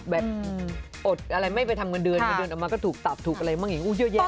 อดอะไรไม่ไปทำเงินเดือนเงินเดือนออกมาก็ถูกตับถูกอะไรบ้างอย่างเยอะแยะ